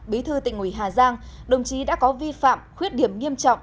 bí thư tỉnh ủy hà giang đồng chí đã có vi phạm khuyết điểm nghiêm trọng